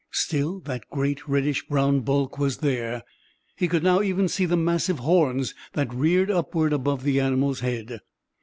Still that great reddish brown bulk was there. He could now even see the massive horns that reared upward above the animal's head.